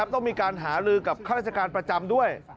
ต้องมีการหาลือกับข้าราชการประจำด้วย